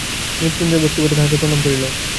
মৃত্যুঞ্জয় ভক্তিভরে তাহাকে প্রণাম করিল।